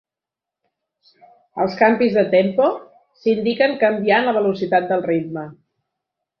Els canvis de tempo s'indiquen canviant la velocitat del ritme.